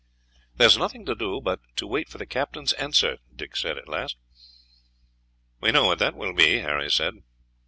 "There is nothing to do but to wait for the captain's answer," Dick said at last. "We know what that will be," Harry said.